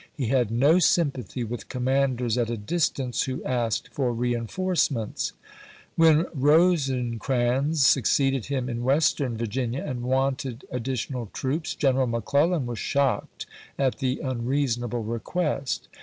He had no sympathy with commanders at a distance who asked for reenforcements. When Rosecrans suc ceeded him in Western Virginia, and wanted ad ditional troops, General McClellan was shocked at the unreasonable request.